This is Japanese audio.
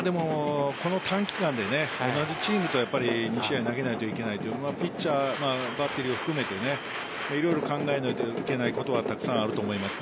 この短期間で同じチームに２試合投げないといけないという部分はピッチャーバッテリーを含めて色々考えなきゃいけないところはたくさんあると思います。